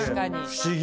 不思議。